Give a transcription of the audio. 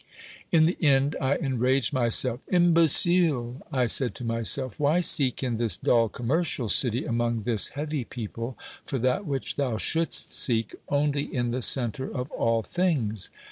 In the end I enraged myself. "Imbecile!" I said to myself, "why seek in this dull commercial city, among this heavy people, for that which thou shouldst seek only in the centre of all things?